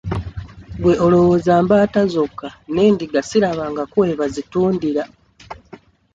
Gwe olowooza mbaata zokka n'endiga sirabangako we bazitundira.